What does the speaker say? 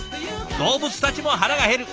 動物たちも腹がへる。